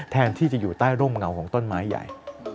แทนที่จะอยู่ใต้ร่มเงาของต้นไม้ใหญ่